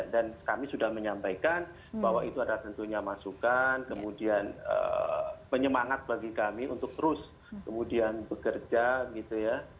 dan kami sudah menyampaikan bahwa itu adalah tentunya masukan kemudian penyemangat bagi kami untuk terus kemudian bekerja gitu ya